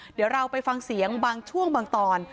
เดี๋ยวเราไปฟังเสียงบางช่วงบางตอน